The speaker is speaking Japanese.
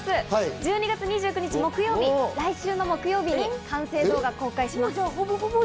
１２月２９日、木曜日、来週の木曜日に完成動画を公開します。